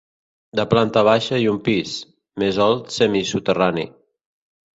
De planta baixa i un pis, més el semisoterrani.